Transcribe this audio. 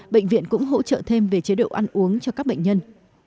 bệnh viện cũng hỗ trợ thêm về chế độ ăn uống cho các bệnh nhân